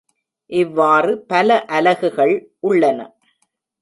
இவ்வாறு பல அலகுகள் உள்ளன.